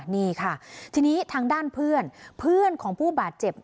นี่ค่ะทีนี้ทางด้านเพื่อนเพื่อนของผู้บาดเจ็บ